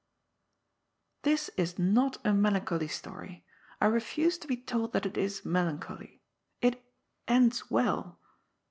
This is not a melancholy story. I refuse to be told that it is melancholy. It " ends well."